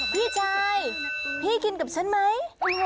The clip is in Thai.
พี่ชายพี่กินกับฉันไหม